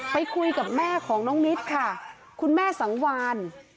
ไปคุยกับแม่ของน้องนิดค่ะคุณแม่สังวาน